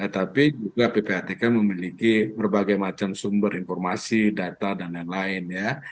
tapi juga ppatk memiliki berbagai macam sumber informasi data dan lain lain ya